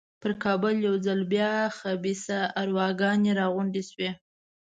پر کابل یو ځل بیا خبیثه ارواګانې را غونډې شوې.